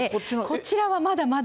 こちらはまだまだ。